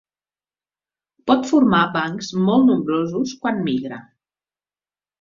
Pot formar bancs molt nombrosos quan migra.